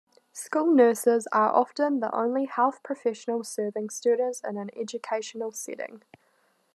School nurses are often the only health professional serving students in an educational setting.